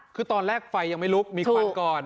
คือตอนแรกไฟยังไม่ลุกมีควันก่อน